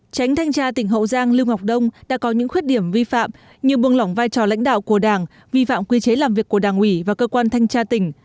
tránh thanh tra tỉnh hậu giang lưu ngọc đông đã có những khuyết điểm vi phạm như buông lỏng vai trò lãnh đạo của đảng vi phạm quy chế làm việc của đảng ủy và cơ quan thanh tra tỉnh